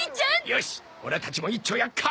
よしオラたちもいっちょやっか！